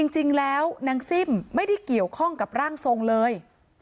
จริงแล้วนางซิ่มไม่ได้เกี่ยวข้องกับร่างทรงเลย